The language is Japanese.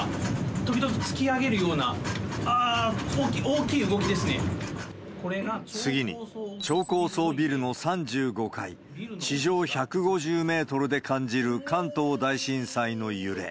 時々突き上げるような、あー、次に、超高層ビルの３５階、地上１５０メートルで感じる関東大震災の揺れ。